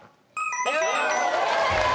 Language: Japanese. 正解です！